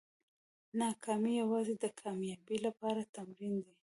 ناکامي یوازې د کامیابۍ لپاره تمرین دی.